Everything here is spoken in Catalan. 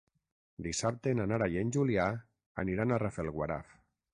Dissabte na Nara i en Julià aniran a Rafelguaraf.